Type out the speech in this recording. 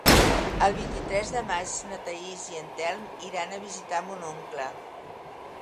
El vint-i-tres de maig na Thaís i en Telm iran a visitar mon oncle.